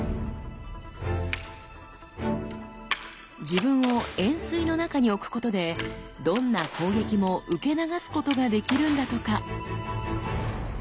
自分を円錐の中に置くことでどんな攻撃も受け流すことができるんだとか。